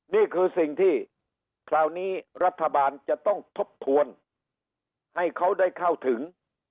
นี่คือสิ่งที่คราวนี้รัฐบาลจะต้องทบทวนให้เขาได้เข้าถึง